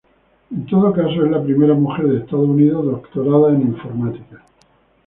En todo caso es la primera mujer de Estados Unidos doctorada en Informática.